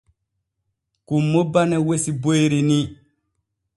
Kummo bane wesi boyri ni.